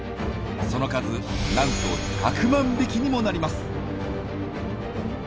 その数なんと１００万匹にもなります。